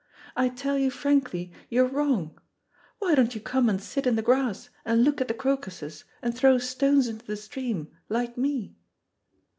I tell you frankly you are wrong. Why don't you come and sit in the grass, and look at the crocuses, and throw stones into the stream like me."